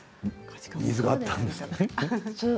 水が合ったんですかね。